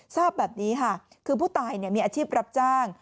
ทราบแบบนี้ค่ะคือผู้ตายมีอาชีพรับจ้าง